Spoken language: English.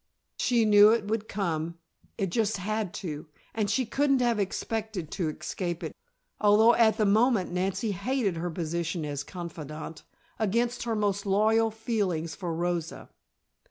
She knew it would come; it just had to, and she couldn't have expected to escape it, although at the moment Nancy hated her position as confidante, against her most loyal feelings for Rosa.